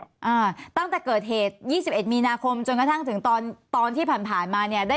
อ่าตั้งแต่เกิดเหตุ๒๑มีนาคมจนกระทั่งถึงตอนที่ผ่านมาเนี่ย